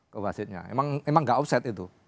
ke wasitnya emang gak offset itu